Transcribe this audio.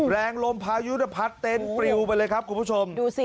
แรงลมพายุแผัดเต็นปิเล่วไปเลยครับคุณผู้ชม